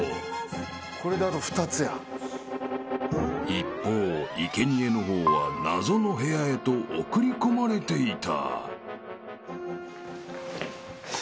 ［一方生贄の方は謎の部屋へと送り込まれていた］